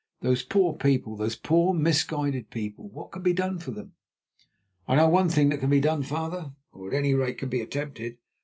"Those poor people! those poor, misguided people! What can be done for them?" "I know one thing that can be done, father, or at any rate can be attempted.